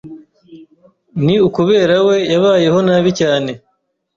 Ni ukubera we yabayeho nabi cyane.